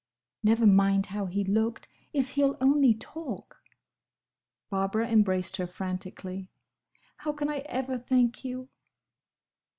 "Never mind how he looked, if he'll only talk!" Barbara embraced her frantically. "How can I ever thank you?"